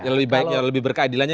yang lebih baik yang lebih berkeadilan